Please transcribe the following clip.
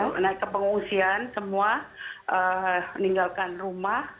kita naik ke pengungsian semua meninggalkan rumah